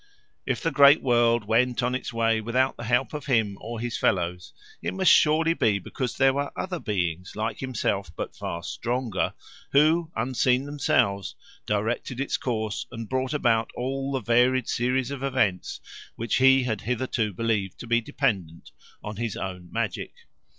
If the great world went on its way without the help of him or his fellows, it must surely be because there were other beings, like himself, but far stronger, who, unseen themselves, directed its course and brought about all the varied series of events which he had hitherto believed to be dependent on his own magic.